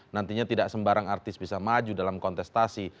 nantinya tidak sembarang artis bisa maju dalam kontestasi